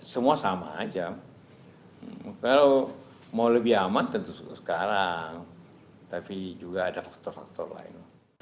semua sama aja kalau mau lebih aman tentu sekarang tapi juga ada faktor faktor lain